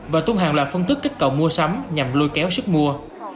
và tuân hàng loạt phân tức kích cầu mua sắm nhằm lôi kéo sức mua